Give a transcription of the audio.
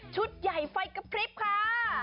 ชุดใหญ่ไฟกับพริบคะ